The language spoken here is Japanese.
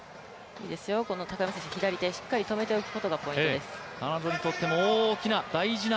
いいですよ、高山選手、左手、しっかりとめておくことがポイントです。